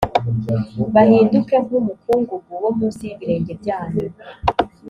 bahinduke nk umukungugu wo munsi y ibirenge byanyu